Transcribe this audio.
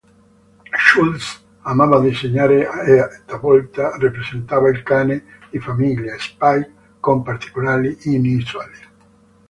Schulz amava disegnare e talvolta rappresentava il cane di famiglia, Spike, con particolari inusuali.